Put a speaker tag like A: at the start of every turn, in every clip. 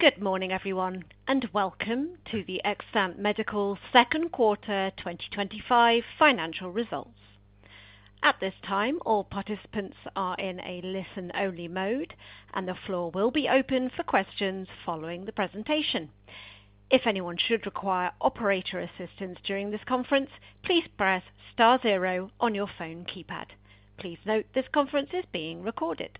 A: Good morning, everyone, and welcome to Xtant Medical's Second Quarter 2025 Financial Results. At this time, all participants are in a listen-only mode, and the floor will be open for questions following the presentation. If anyone should require operator assistance during this conference, please press Star zero on your phone keypad. Please note this conference is being recorded.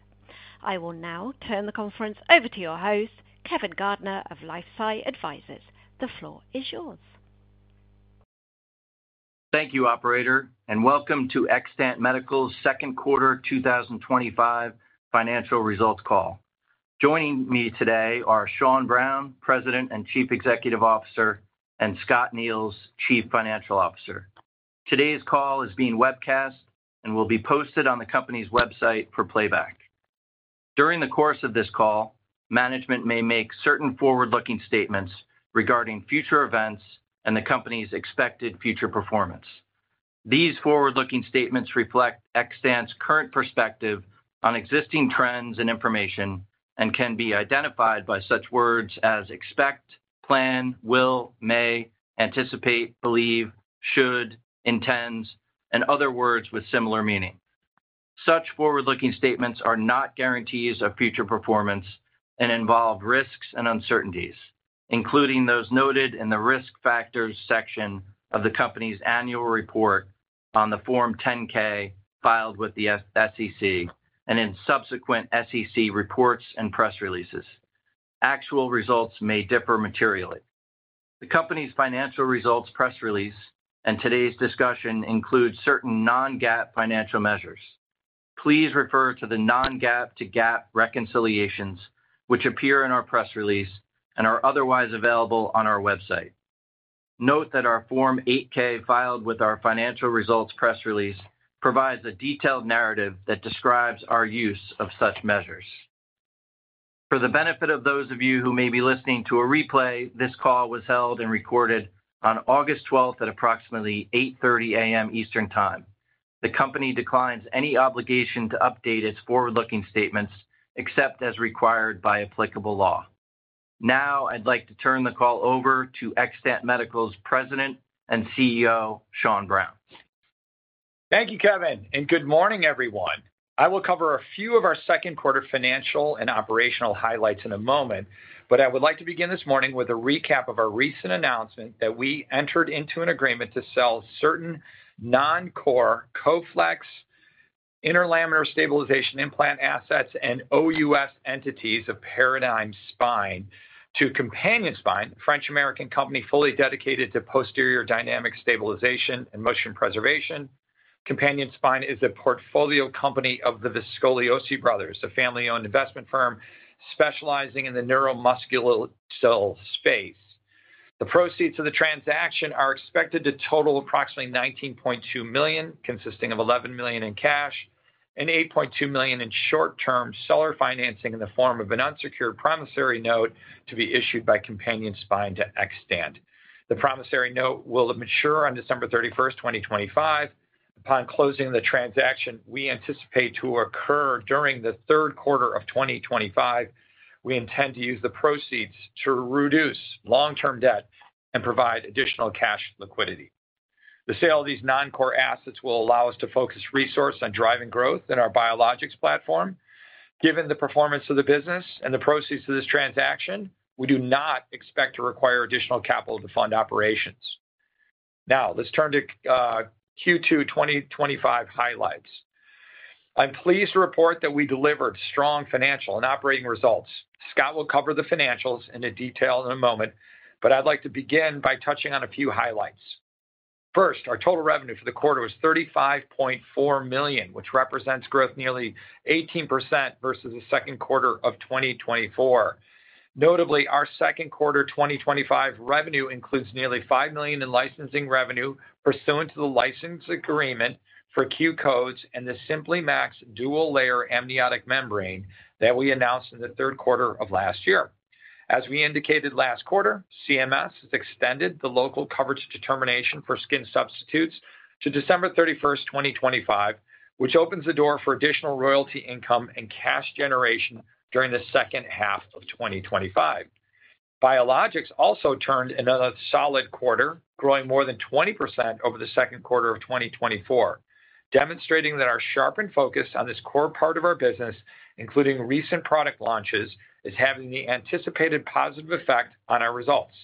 A: I will now turn the conference over to your host, Kevin Gardner of LifeSci Advisors. The floor is yours.
B: Thank you, operator, and welcome to Xtant Medical's Second Quarter 2025 Financial Results Call. Joining me today are Sean Browne, President and Chief Executive Officer, and Scott Niels, Chief Financial Officer. Today's call is being webcast and will be posted on the company's website for playback. During the course of this call, management may make certain forward-looking statements regarding future events and the company's expected future performance. These forward-looking statements reflect Xtant's current perspective on existing trends and information and can be identified by such words as expect, plan, will, may, anticipate, believe, should, intends, and other words with similar meaning. Such forward-looking statements are not guarantees of future performance and involve risks and uncertainties, including those noted in the risk factors section of the company's annual report on the Form 10-K filed with the SEC and in subsequent SEC reports and press releases. Actual results may differ materially. The company's financial results press release and today's discussion include certain non-GAAP financial measures. Please refer to the non-GAAP to GAAP reconciliations, which appear in our press release and are otherwise available on our website. Note that our Form 8-K filed with our financial results press release provides a detailed narrative that describes our use of such measures. For the benefit of those of you who may be listening to a replay, this call was held and recorded on August 12th at approximately 8:30 A.M. Eastern Time. The company declines any obligation to update its forward-looking statements except as required by applicable law. Now, I'd like to turn the call over to Xtant Medical's President and CEO, Sean Browne.
C: Thank you, Kevin, and good morning, everyone. I will cover a few of our second quarter financial and operational highlights in a moment, but I would like to begin this morning with a recap of our recent announcement that we entered into an agreement to sell certain non-core Coflex Interlaminar Stabilization implant assets and OUS entities of Paradigm Spine to Companion Spine, a French-American company fully dedicated to posterior dynamic stabilization and motion preservation. Companion Spine is a portfolio company of the Viscogliosi Brothers, a family-owned investment firm specializing in the neuromuscular cell space. The proceeds of the transaction are expected to total approximately $19.2 million, consisting of $11 million in cash and $8.2 million in short-term seller financing in the form of an unsecured promissory note to be issued by Companion Spine to Xtant. The promissory note will mature on December 31, 2025. Upon closing the transaction, we anticipate to occur during the third quarter of 2025. We intend to use the proceeds to reduce long-term debt and provide additional cash liquidity. The sale of these non-core assets will allow us to focus resources on driving growth in our biologics platform. Given the performance of the business and the proceeds of this transaction, we do not expect to require additional capital to fund operations. Now, let's turn to Q2 2025 highlights. I'm pleased to report that we delivered strong financial and operating results. Scott will cover the financials in detail in a moment, but I'd like to begin by touching on a few highlights. First, our total revenue for the quarter was $35.4 million, which represents growth nearly 18% versus the second quarter of 2024. Notably, our second quarter 2025 revenue includes nearly $5 million in licensing revenue pursuant to the license agreement for Q-Code and the SimpliMax dual-layer amniotic membrane that we announced in the third quarter of last year. As we indicated last quarter, CMS has extended the local coverage determination for skin substitutes to December 31, 2025, which opens the door for additional royalty income and cash generation during the second half of 2025. Biologics also turned another solid quarter, growing more than 20% over the second quarter of 2024, demonstrating that our sharpened focus on this core part of our business, including recent product launches, is having the anticipated positive effect on our results.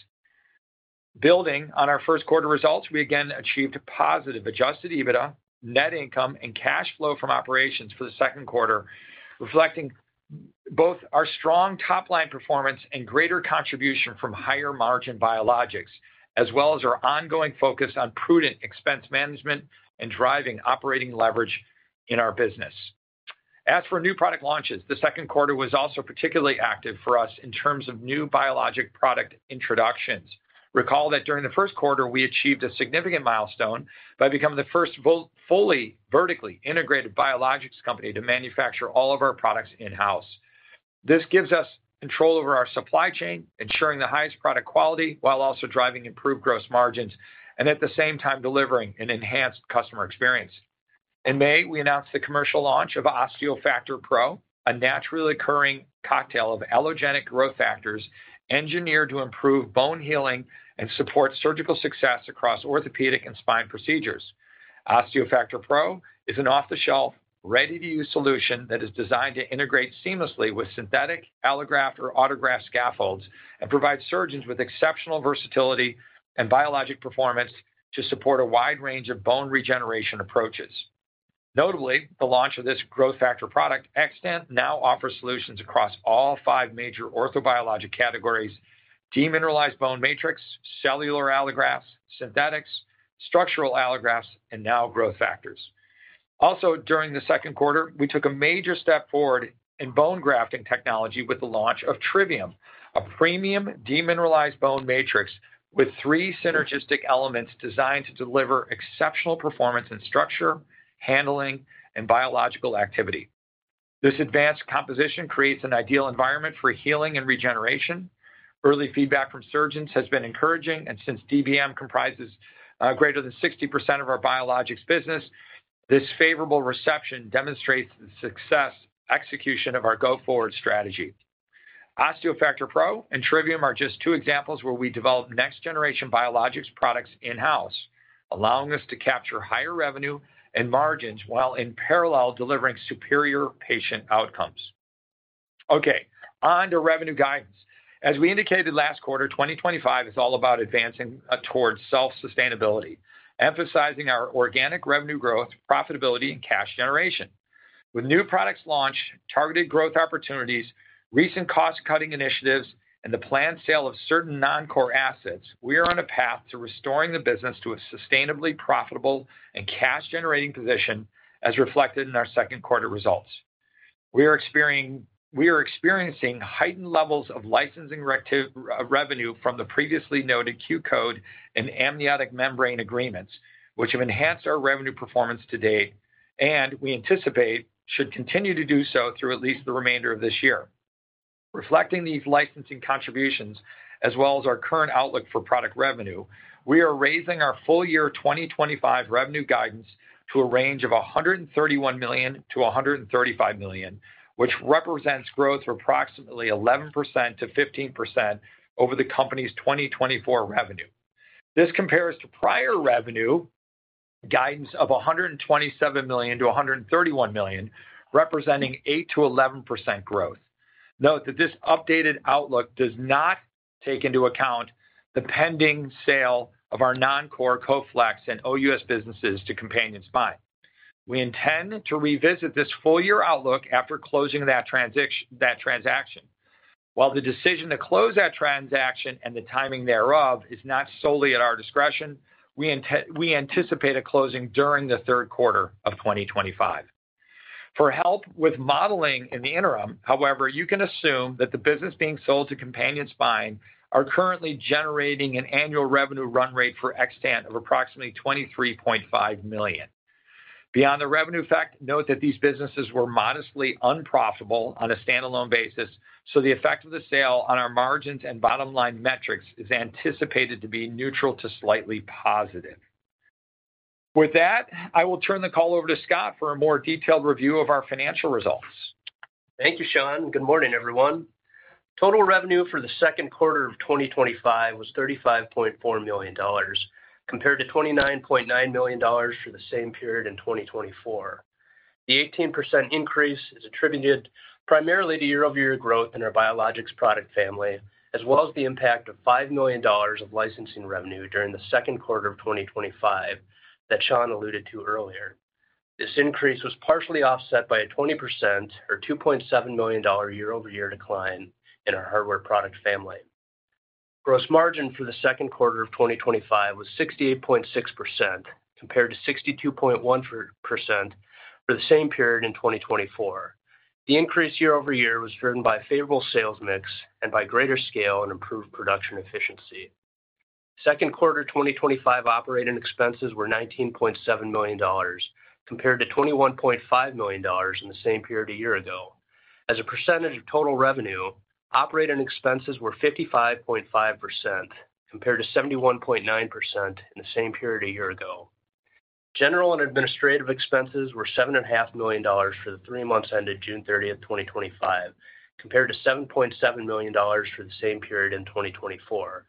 C: Building on our first quarter results, we again achieved a positive adjusted EBITDA, net income, and cash flow from operations for the second quarter, reflecting both our strong top-line performance and greater contribution from higher margin biologics, as well as our ongoing focus on prudent expense management and driving operating leverage in our business. As for new product launches, the second quarter was also particularly active for us in terms of new biologic product introductions. Recall that during the first quarter, we achieved a significant milestone by becoming the first fully vertically integrated biologics company to manufacture all of our products in-house. This gives us control over our supply chain, ensuring the highest product quality while also driving improved gross margins and at the same time delivering an enhanced customer experience. In May, we announced the commercial launch of OsteoFactor Pro, a naturally occurring cocktail of allogenic growth factors engineered to improve bone healing and support surgical success across orthopedic and spine procedures. OsteoFactor Pro is an off-the-shelf, ready-to-use solution that is designed to integrate seamlessly with synthetic allograft or autograft scaffolds and provides surgeons with exceptional versatility and biologic performance to support a wide range of bone regeneration approaches. Notably, the launch of this growth factor product, Xtant, now offers solutions across all five major orthobiologic categories: demineralized bone matrix, cellular allografts, synthetics, structural allografts, and now growth factors. Also, during the second quarter, we took a major step forward in bone grafting technology with the launch of Trivium, a premium demineralized bone matrix with three synergistic elements designed to deliver exceptional performance in structure, handling, and biological activity. This advanced composition creates an ideal environment for healing and regeneration. Early feedback from surgeons has been encouraging, and since DBM comprises greater than 60% of our biologics business, this favorable reception demonstrates the successful execution of our go-forward strategy. OsteoFactor Pro and Trivium are just two examples where we developed next-generation biologics products in-house, allowing us to capture higher revenue and margins while in parallel delivering superior patient outcomes. Okay, on to revenue guidance. As we indicated last quarter, 2025 is all about advancing towards self-sustainability, emphasizing our organic revenue growth, profitability, and cash generation. With new products launched, targeted growth opportunities, recent cost-cutting initiatives, and the planned sale of certain non-core assets, we are on a path to restoring the business to a sustainably profitable and cash-generating position, as reflected in our second quarter results. We are experiencing heightened levels of licensing revenue from the previously noted Q-Code and amniotic membrane agreements, which have enhanced our revenue performance to date, and we anticipate should continue to do so through at least the remainder of this year. Reflecting these licensing contributions, as well as our current outlook for product revenue, we are raising our full-year 2025 revenue guidance to a range of $131 million-$135 million, which represents growth of approximately 11%-15% over the company's 2024 revenue. This compares to prior revenue guidance of $127 million-$131 million, representing 8%-11% growth. Note that this updated outlook does not take into account the pending sale of our non-core Coflex and OUS businesses to Companion Spine. We intend to revisit this full-year outlook after closing that transaction. While the decision to close that transaction and the timing thereof is not solely at our discretion, we anticipate a closing during the third quarter of 2025. For help with modeling in the interim, however, you can assume that the businesses being sold to Companion Spine are currently generating an annual revenue run rate for Xtant of approximately $23.5 million. Beyond the revenue effect, note that these businesses were modestly unprofitable on a standalone basis, so the effect of the sale on our margins and bottom line metrics is anticipated to be neutral to slightly positive. With that, I will turn the call over to Scott for a more detailed review of our financial results.
D: Thank you, Sean. Good morning, everyone. Total revenue for the second quarter of 2025 was $35.4 million, compared to $29.9 million for the same period in 2024. The 18% increase is attributed primarily to year-over-year growth in our biologics product family, as well as the impact of $5 million of licensing revenue during the second quarter of 2025 that Sean alluded to earlier. This increase was partially offset by a 20% or $2.7 million year-over-year decline in our hardware product family. Gross margin for the second quarter of 2025 was 68.6%, compared to 62.1% for the same period in 2024. The increase year-over-year was driven by a favorable sales mix and by greater scale and improved production efficiency. Second quarter 2025 operating expenses were $19.7 million, compared to $21.5 million in the same period a year ago. As a percentage of total revenue, operating expenses were 55.5%, compared to 71.9% in the same period a year ago. General and administrative expenses were $7.5 million for the three months ended June 30, 2025, compared to $7.7 million for the same period in 2024.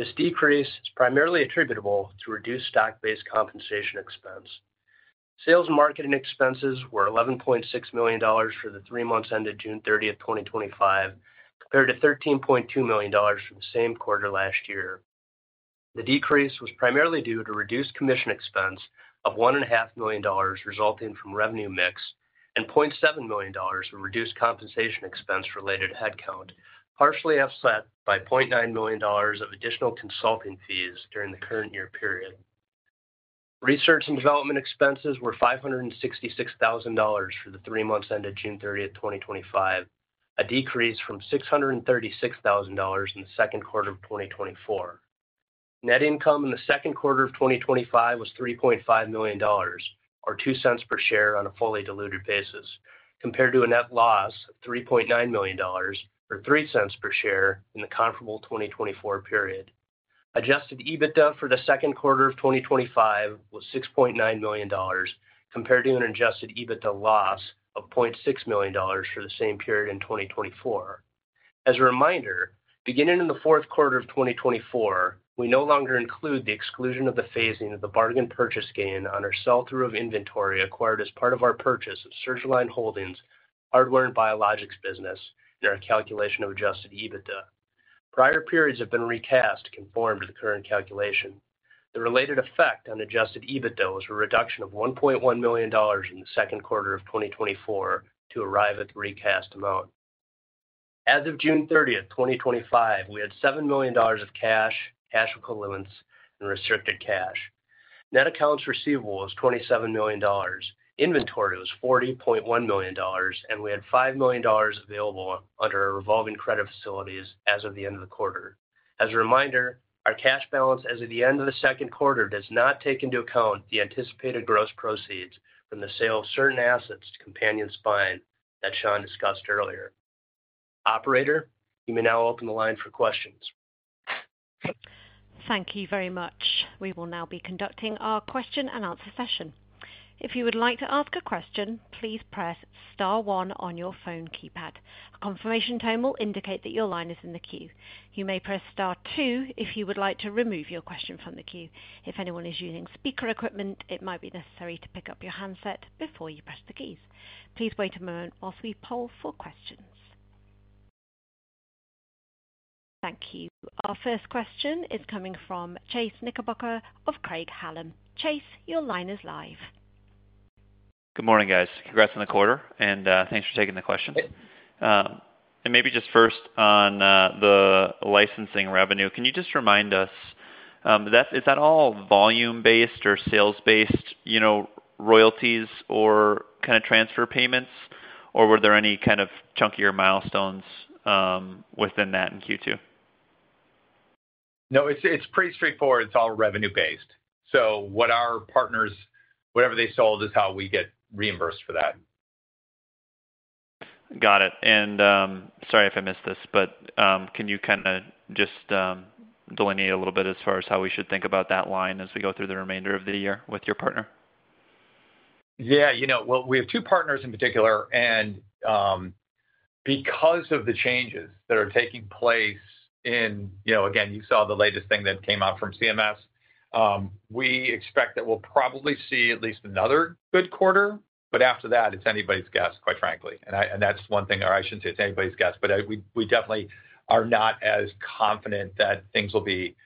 D: This decrease is primarily attributable to reduced stock-based compensation expense. Sales and marketing expenses were $11.6 million for the three months ended June 30, 2025, compared to $13.2 million for the same quarter last year. The decrease was primarily due to reduced commission expense of $1.5 million resulting from revenue mix and $0.7 million in reduced compensation expense related to headcount, partially offset by $0.9 million of additional consulting fees during the current year period. Research and development expenses were $566,000 for the three months ended June 30, 2025, a decrease from $636,000 in the second quarter of 2024. Net income in the second quarter of 2025 was $3.5 million, or $0.02 per share on a fully diluted basis, compared to a net loss of $3.9 million, or $0.03 per share in the comparable 2024 period. Adjusted EBITDA for the second quarter of 2025 was $6.9 million, compared to an adjusted EBITDA loss of $0.6 million for the same period in 2024. As a reminder, beginning in the fourth quarter of 2024, we no longer include the exclusion of the phasing of the bargain purchase gain on our sell-through of inventory acquired as part of our purchase of Surgiline Holdings hardware and biologics business in our calculation of adjusted EBITDA. Prior periods have been recast to conform to the current calculation. The related effect on adjusted EBITDA was a reduction of $1.1 million in the second quarter of 2024 to arrive at the recast amount. As of June 30, 2025, we had $7 million of cash, cash equivalents, and restricted cash. Net accounts receivable was $27 million, inventory was $40.1 million, and we had $5 million available under our revolving credit facilities as of the end of the quarter. As a reminder, our cash balance as of the end of the second quarter does not take into account the anticipated gross proceeds from the sale of certain assets to Companion Spine that Sean discussed earlier. Operator, you may now open the line for questions.
A: Thank you very much. We will now be conducting our question-and-answer session. If you would like to ask a question, please press Star one on your phone keypad. A confirmation tone will indicate that your line is in the queue. You may press Star two if you would like to remove your question from the queue. If anyone is using speaker equipment, it might be necessary to pick up your handset before you press the keys. Please wait a moment while we poll for questions. Thank you. Our first question is coming from Chase Knickerbocker of Craig-Hallum. Chase, your line is live.
E: Good morning, guys. Congrats on the quarter and thanks for taking the question. Maybe just first on the licensing revenue, can you just remind us, is that all volume-based or sales-based, you know, royalties or kind of transfer payments, or were there any kind of chunkier milestones within that in Q2?
C: No, it's pretty straightforward. It's all revenue-based. What our partners, whatever they sold, is how we get reimbursed for that.
E: Got it. Sorry if I missed this, but can you kind of just delineate a little bit as far as how we should think about that line as we go through the remainder of the year with your partner?
C: Yeah, you know, we have two partners in particular, and because of the changes that are taking place, you know, again, you saw the latest thing that came out from CMS. We expect that we'll probably see at least another good quarter. After that, it's anybody's guess, quite frankly. I shouldn't say it's anybody's guess, but we definitely are not as confident that things will be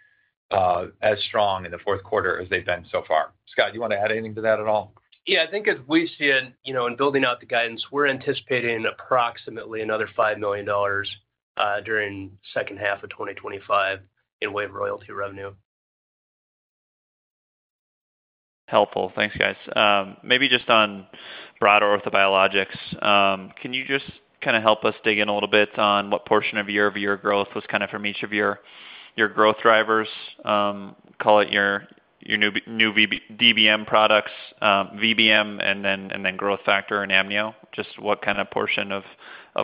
C: as strong in the fourth quarter as they've been so far. Scott, do you want to add anything to that at all?
D: I think as we stand, you know, in building out the guidance, we're anticipating approximately another $5 million during the second half of 2025 in wave royalty revenue.
E: Helpful. Thanks, guys. Maybe just on broader orthobiologics, can you just kind of help us dig in a little bit on what portion of year-over-year growth was kind of from each of your growth drivers? Call it your new DBM products, VBM, and then growth factor and amnio. Just what kind of portion of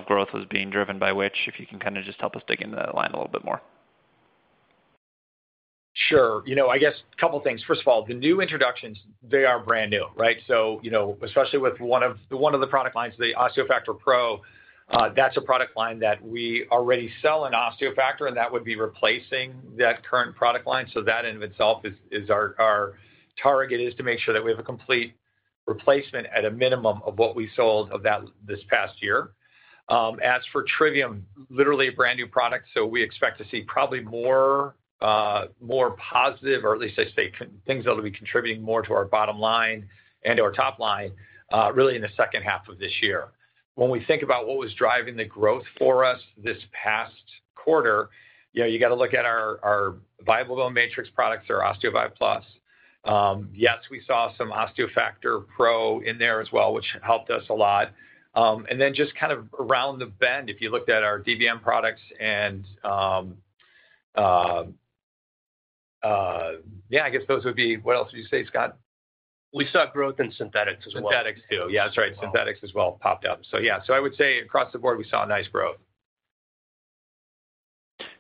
E: growth was being driven by which, if you can kind of just help us dig into that line a little bit more.
C: Sure. I guess a couple of things. First of all, the new introductions, they are brand new, right? Especially with one of the product lines, the OsteoFactor Pro, that's a product line that we already sell in OsteoFactor, and that would be replacing that current product line. That in and of itself is our target, to make sure that we have a complete replacement at a minimum of what we sold of that this past year. As for Trivium, literally a brand new product, we expect to see probably more positive, or at least I'd say things that will be contributing more to our bottom line and our top line really in the second half of this year. When we think about what was driving the growth for us this past quarter, you got to look at our viable bone matrix products or Osteo Bi-Flex. Yes, we saw some OsteoFactor Pro in there as well, which helped us a lot. Just kind of around the bend, if you looked at our DBM products, I guess those would be, what else would you say, Scott?
D: We saw growth in synthetics as well.
C: Synthetics too. Yeah, that's right. Synthetics as well popped up. I would say across the board we saw nice growth.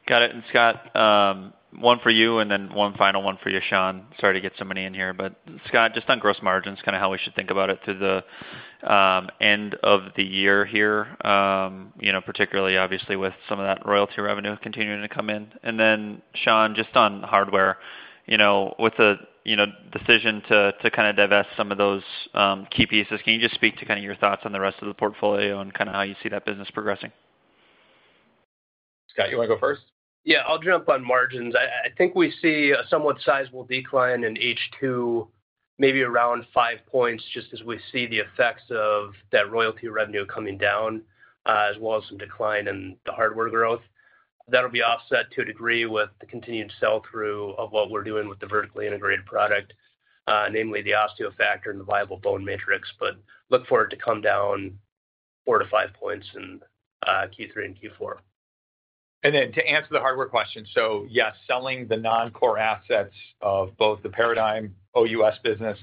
E: Got it. Scott, one for you and then one final one for you, Sean. Sorry to get so many in here, but Scott, just on gross margins, kind of how we should think about it to the end of the year here, particularly obviously with some of that royalty revenue continuing to come in. Sean, just on hardware, with the decision to kind of divest some of those key pieces, can you just speak to your thoughts on the rest of the portfolio and how you see that business progressing?
C: Scott, you want to go first?
D: Yeah, I'll jump on margins. I think we see a somewhat sizable decline in H2, maybe around five points, just as we see the effects of that royalty revenue coming down, as well as some decline in the hardware growth. That'll be offset to a degree with the continued sell-through of what we're doing with the vertically integrated product, namely the OsteoFactor and the viable bone matrix, but look for it to come down four to five points in Q3 and Q4.
C: To answer the hardware question, yes, selling the non-core assets of both the Paradigm OUS business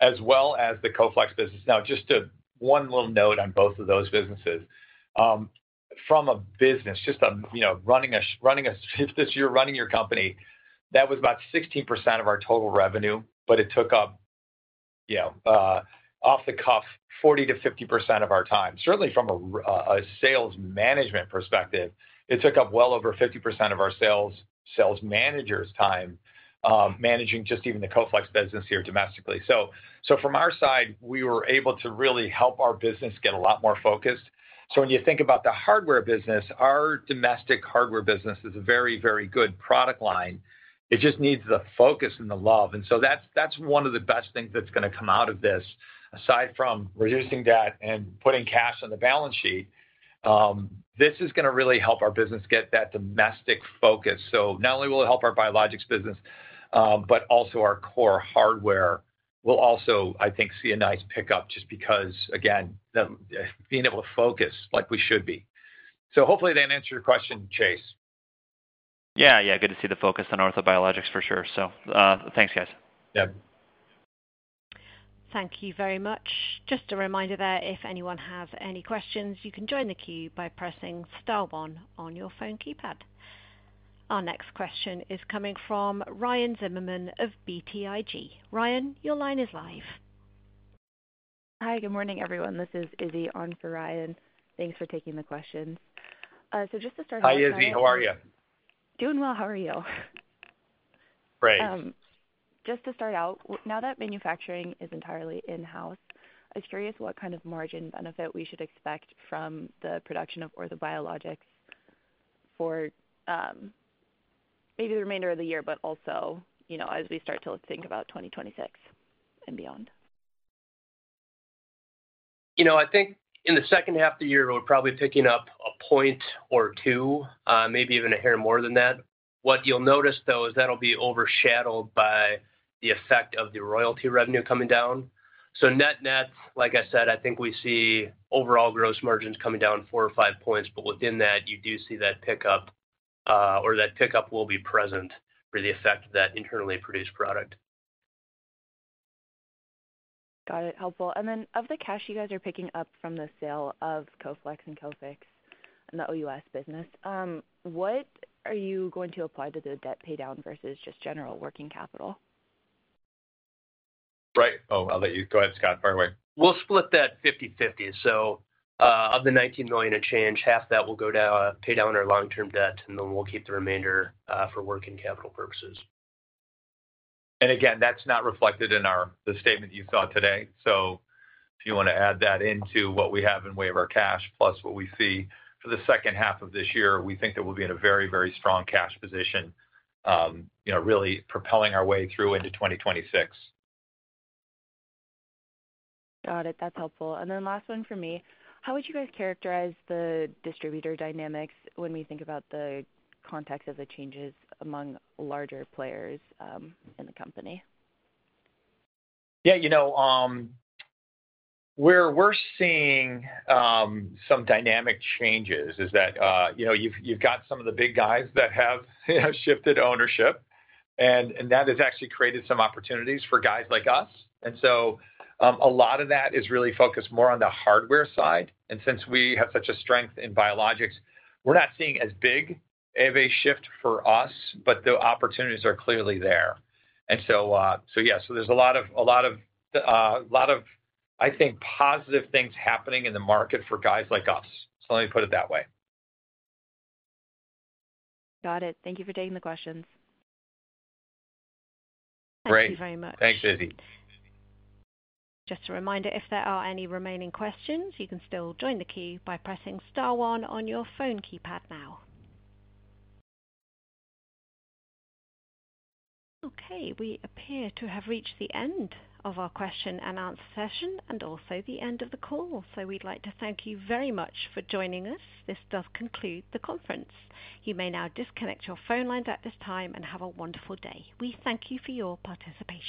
C: as well as the Coflex business. Just one little note on both of those businesses. From a business perspective, if you're running your company, that was about 16% of our total revenue, but it took up, off the cuff, 40%-50% of our time. Certainly from a sales management perspective, it took up well over 50% of our sales manager's time managing just even the Coflex business here domestically. From our side, we were able to really help our business get a lot more focused. When you think about the hardware business, our domestic hardware business is a very, very good product line. It just needs the focus and the love. That is one of the best things that's going to come out of this, aside from reducing debt and putting cash on the balance sheet. This is going to really help our business get that domestic focus. Not only will it help our biologics business, but also our core hardware will also, I think, see a nice pickup just because, again, being able to focus like we should be. Hopefully that answered your question, Chase.
E: Yeah, good to see the focus on orthobiologics for sure. Thanks, guys.
C: Yeah.
A: Thank you very much. Just a reminder, if anyone has any questions, you can join the queue by pressing star one on your phone keypad. Our next question is coming from Ryan Zimmerman of BTIG. Ryan, your line is live.
F: Hi, good morning everyone. This is Izzy on for Ryan. Thanks for taking the question. Just to start out.
C: Hi Izzy, how are you?
F: Doing well. How are you?
C: Great.
F: Just to start out, now that manufacturing is entirely in-house, I was curious what kind of margin benefit we should expect from the production of orthobiologics for maybe the remainder of the year, but also, you know, as we start to think about 2026 and beyond.
D: I think in the second half of the year, we're probably picking up a point or two, maybe even a hair more than that. What you'll notice though is that'll be overshadowed by the effect of the royalty revenue coming down. Net-net, like I said, I think we see overall gross margins coming down four or five points, but within that, you do see that pickup or that pickup will be present for the effect of that internally produced product.
F: Got it, helpful. Of the cash you guys are picking up from the sale of Coflex and CoFix and the OUS business, what are you going to apply to the debt pay down versus just general working capital?
C: Right. I'll let you go ahead, Scott, part way.
D: We'll split that 50/50. Of the $19 million and change, half that will go to pay down our long-term debt, and then we'll keep the remainder for working capital purposes.
C: That is not reflected in the statement you saw today. If you want to add that into what we have in way of our cash plus what we see for the second half of this year, we think that we'll be in a very, very strong cash position, really propelling our way through into 2026.
F: Got it, that's helpful. Last one for me, how would you guys characterize the distributor dynamics when we think about the context of the changes among larger players in the company?
C: Yeah, you know, we're seeing some dynamic changes in that, you know, you've got some of the big guys that have, you know, shifted ownership, and that has actually created some opportunities for guys like us. A lot of that is really focused more on the hardware side. Since we have such a strength in biologics, we're not seeing as big of a shift for us, but the opportunities are clearly there. There are a lot of, I think, positive things happening in the market for guys like us. Let me put it that way.
F: Got it. Thank you for taking the questions.
C: Great.
F: Thank you very much.
C: Thanks, Izzy.
A: Just a reminder, if there are any remaining questions, you can still join the queue by pressing Star one on your phone keypad now. We appear to have reached the end of our question-and-answer session and also the end of the call. We'd like to thank you very much for joining us. This does conclude the conference. You may now disconnect your phone lines at this time and have a wonderful day. We thank you for your participation.